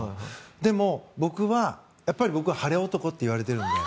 でも、僕は晴れ男と言われているので。